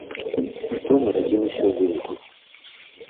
Што нарадзілася ў выніку?